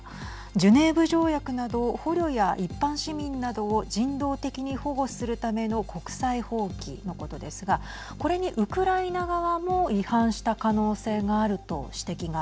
ジュネーブ条約など捕虜や一般市民などを人道的に保護するための国際法規のことですがこれにウクライナ側も違反した可能性があるとはい。